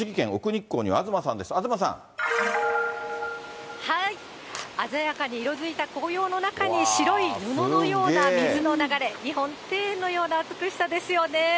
日光には東さんです、鮮やかに色づいた紅葉の中に、白い布のようなもとの流れ、日本庭園のような美しさですよね。